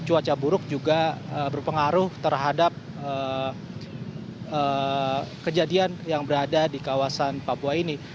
cuaca buruk juga berpengaruh terhadap kejadian yang berada di kawasan papua ini